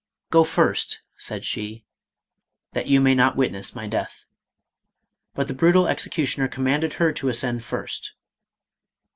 "Go first," said she, " that you may not witness my death." But the brutal executioner commanded her to ascend first.